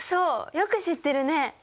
よく知ってるね。